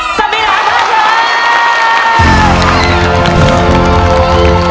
สมีระภาษา